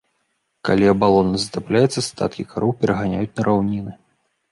Калі абалона затапляецца, статкі кароў пераганяюць на раўніны.